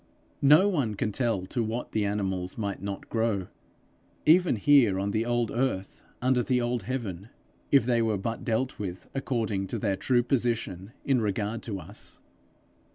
No one can tell to what the animals might not grow, even here on the old earth under the old heaven, if they were but dealt with according to their true position in regard to us.